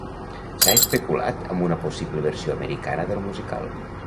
S'ha especulat amb una possible versió americana del musical.